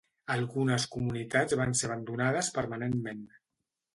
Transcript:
Algunes comunitats van ser abandonades permanentment.